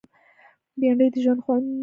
بېنډۍ د ژوند خوند زیاتوي